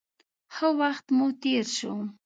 ښه وخت مو تېر شو.